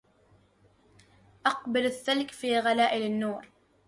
أقبل الثلج في غلائل نور